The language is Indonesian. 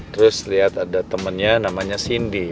terus liat ada temennya namanya cindy